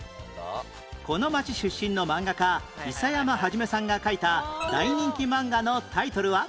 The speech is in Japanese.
この町出身の漫画家諫山創さんが描いた大人気漫画のタイトルは？